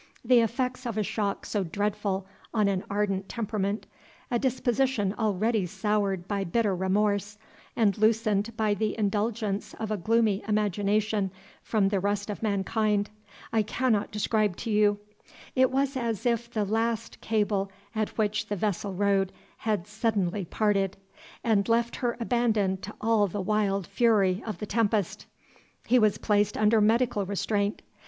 The effects of a shock so dreadful on an ardent temperament, a disposition already soured by bitter remorse, and loosened by the indulgence of a gloomy imagination from the rest of mankind, I cannot describe to you; it was as if the last cable at which the vessel rode had suddenly parted, and left her abandoned to all the wild fury of the tempest. He was placed under medical restraint.